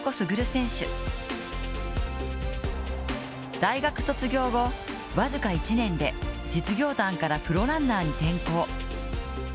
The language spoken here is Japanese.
大学卒業後、僅か１年で実業団からプロランナーに転向。